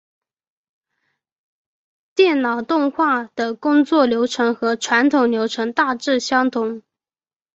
电脑动画的工作流程和传统流程大致相同。